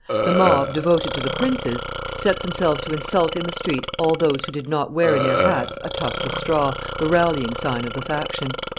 The mob, devoted to the princes, set themselves to insult in the street all those who did not wear in their hats a tuft of straw, the rallying sign of the faction.